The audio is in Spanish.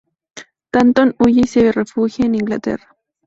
Danton huye y se refugia en Inglaterra.